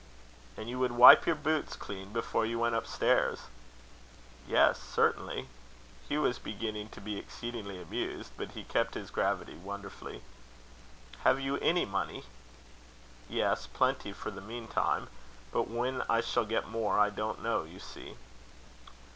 "And you would wipe your boots clean before you went up stairs?" "Yes, certainly." Hugh was beginning to be exceedingly amused, but he kept his gravity wonderfully. "Have you any money?" "Yes; plenty for the meantime. But when I shall get more, I don't know, you see."